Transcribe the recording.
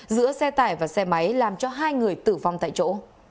giữa xe tải và xe máy làm cho hai người tử vong tại chỗ